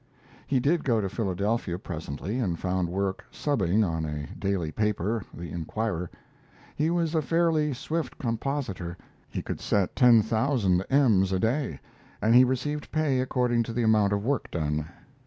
He did go to Philadelphia presently and found work "subbing" on a daily paper, 'The Inquirer.' He was a fairly swift compositor. He could set ten thousand ems a day, and he received pay according to the amount of work done.